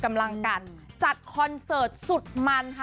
กำลังกันจัดคอนเสิร์ตสุดมันค่ะ